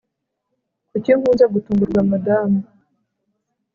kuki nkunze gutungurwa, madamu